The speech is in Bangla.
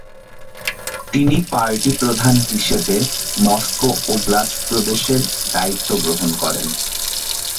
তিনি পার্টি প্রধান হিসেবে মস্কো ওব্লাস্ট প্রদেশের দায়িত্ব গ্রহণ করেন।